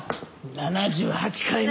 ７８回目。